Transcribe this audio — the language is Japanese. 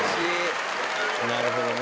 なるほどね。